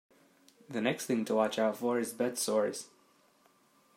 The next thing to watch out for is bed sores.